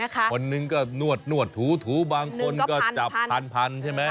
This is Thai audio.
คนนึงก็นวดถูบางคนก็จับพันใช่ไหม